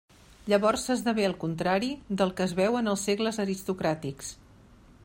Llavors s'esdevé el contrari del que es veu en els segles aristocràtics.